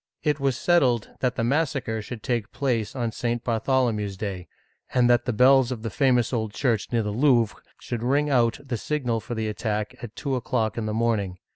It was settled that the massacre should take place on St. Bartholomew's Day, and that the bells of the famous old church near the Louvre should ring out the Digitized by Google 262 OLD FRANCE signal for the attack at two o'clock in the morning.